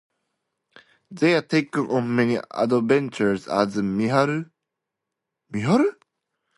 They are taken on many adventures as Miharu discovers the wonders of Earth.